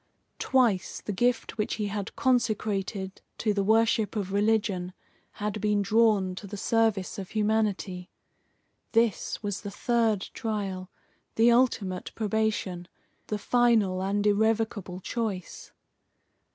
Twice the gift which he had consecrated to the worship of religion had been drawn to the service of humanity. This was the third trial, the ultimate probation, the final and irrevocable choice.